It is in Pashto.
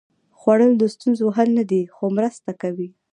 خوړل د ستونزو حل نه دی، خو مرسته کوي